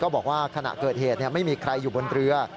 บอกว่าขณะเกิดเหตุไม่มีใครอยู่บนเรือ